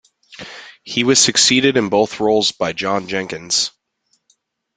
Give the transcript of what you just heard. He was succeeded in both roles by John Jenkins.